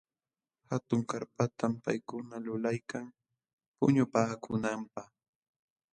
Hatun karpatam paykuna lulaykan puñupaakunanpaq.